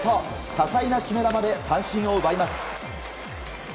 多彩な決め球で三振を奪います。